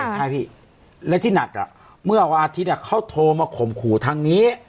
ใช่ค่ะใช่พี่แล้วที่หนัดอ่ะเมื่อวันอาทิตย์อ่ะเขาโทรมาข่มขู่ทางนี้